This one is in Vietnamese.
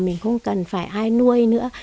mình không cần phải ai nuôi nữa